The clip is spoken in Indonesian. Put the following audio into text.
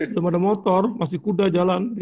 belum ada motor masih kuda jalan